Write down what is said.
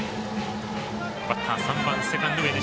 バッター、３番、セカンド、植西。